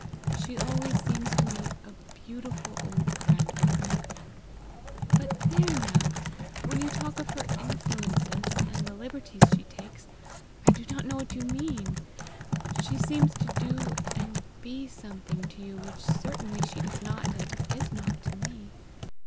She always seems to me a beautiful old grandmother." "But there now! when you talk of her influences, and the liberties she takes, I do not know what you mean. She seems to do and be something to you which certainly she does not and is not to me.